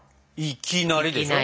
「いきなり」でしょ？